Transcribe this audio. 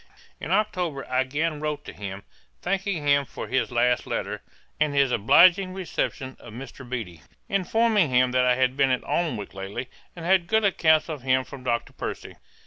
In October I again wrote to him, thanking him for his last letter, and his obliging reception of Mr. Beattie; informing him that I had been at Alnwick lately, and had good accounts of him from Dr. Percy.